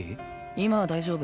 今は大丈夫。